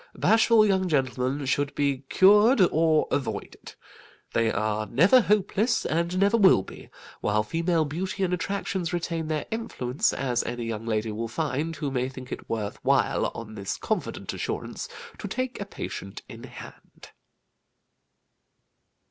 Bashful young gentlemen should be cured, or avoided. They are never hopeless, and never will be, while female beauty and attractions retain their influence, as any young lady will find, who may think it worth while on this confident assurance to take a patient in hand.